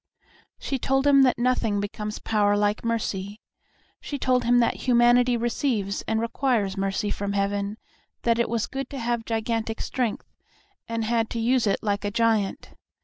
She told him that nothing becomes power like mercy. She told him that humanity receives and requires mercy from Heaven, that it was good to have gigantic strength, and had to use it like a giant.